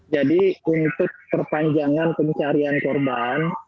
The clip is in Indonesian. jadi untuk perpanjangan pencarian korban